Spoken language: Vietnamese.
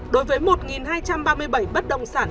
đối với một hai trăm ba mươi bảy bất động sản